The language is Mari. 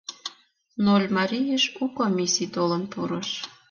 Ноль марийыш у комиссий толын пурыш.